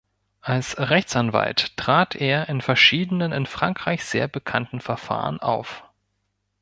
Als Rechtsanwalt trat er in verschiedenen in Frankreich sehr bekannten Verfahren auf.